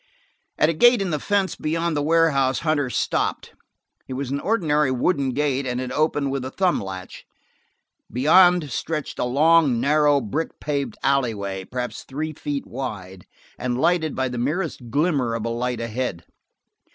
At a gate in the fence beyond the warehouse Hunter stopped. It was an ordinary wooden gate and it opened with a thumb latch. Beyond stretched a long, narrow, brick paved alleyway, perhaps three feet wide, and lighted by the merest glimmer of a light ahead.